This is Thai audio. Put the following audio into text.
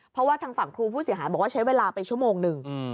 เพราะว่าทางฝั่งครูผู้เสียหายบอกว่าใช้เวลาไปชั่วโมงหนึ่ง